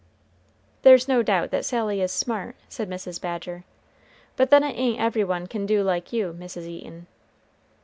"There's no doubt that Sally is smart," said Mrs. Badger, "but then it ain't every one can do like you, Mrs. Eaton."